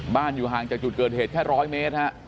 อยู่ห่างจากจุดเกิดเหตุแค่๑๐๐เมตรฮะ